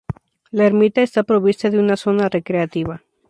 La ermita está provista de una zona recreativa.